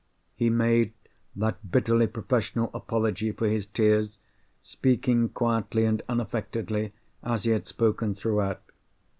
He made that bitterly professional apology for his tears, speaking quietly and unaffectedly, as he had spoken throughout.